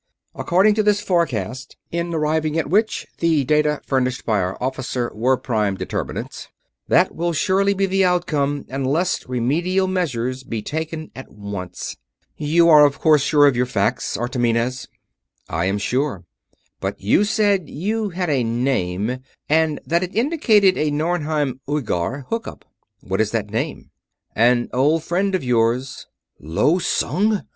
According to this forecast, in arriving at which the data furnished by our Officer were prime determinants, that will surely be the outcome unless remedial measures be taken at once. You are of course sure of your facts, Artomenes?" "I am sure. But you said you had a name, and that it indicated a Norheim Uighar hookup. What is that name?" "An old friend of yours...." "Lo Sung!"